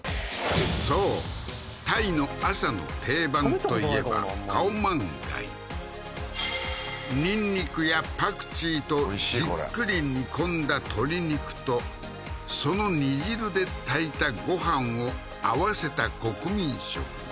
そうタイの朝の定番といえばカオマンガイニンニクやパクチーとじっくり煮込んだ鶏肉とその煮汁で炊いたご飯を合わせた国民食